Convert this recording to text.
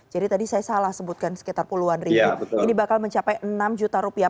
jadi tadi saya salah sebutkan sekitar puluhan ribu ini bakal mencapai enam juta rupiah